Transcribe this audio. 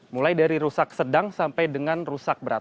mulai dari rusak sedang sampai dengan rusak berat